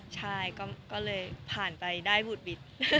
ใช่ก็เลยผ่านไปได้บุดบิด